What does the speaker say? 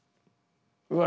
うわ！